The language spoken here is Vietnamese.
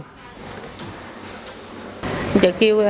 giờ kêu em kiếm